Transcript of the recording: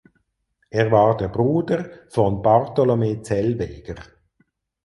Er war der Bruder von Bartholome Zellweger.